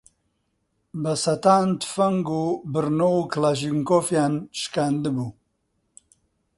بە سەتان تفەنگی بڕنۆ و کڵاشینکۆفیان شکاندبوو